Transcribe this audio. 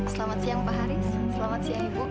selamat siang pak haris selamat siang ibu